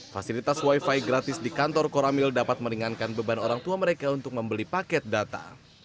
fasilitas wifi gratis di kantor koramil dapat meringankan beban orang tua mereka untuk membeli paket data